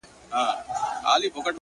خدايه هغه زما د کور په لار سفر نه کوي-